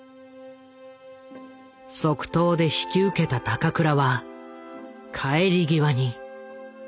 即答で引き受けた高倉は帰り際に。